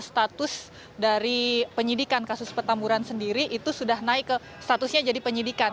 status dari penyidikan kasus petamburan sendiri itu sudah naik ke statusnya jadi penyidikan